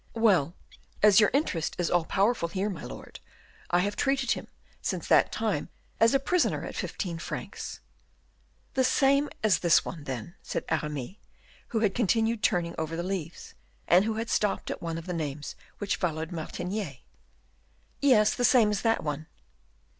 "Well, as your interest is all powerful here, my lord, I have treated him since that time as a prisoner at fifteen francs." "The same as this one, then," said Aramis, who had continued turning over the leaves, and who had stopped at one of the names which followed Martinier. "Yes, the same as that one."